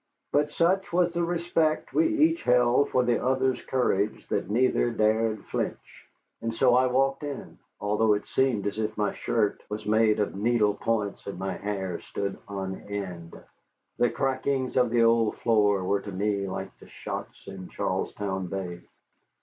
But such was the respect we each held for the other's courage that neither dared flinch. And so I walked in, although it seemed as if my shirt was made of needle points and my hair stood on end. The crackings of the old floor were to me like the shots in Charlestown Bay.